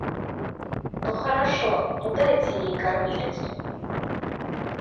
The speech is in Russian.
Ну, хорошо, ну дайте ей кормилицу.